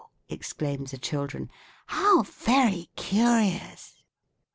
exclaimed the children; "how very curious!"